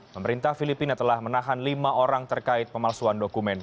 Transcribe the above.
pemerintah filipina telah menahan lima orang terkait pemalsuan dokumen